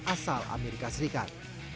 asal amerika serikat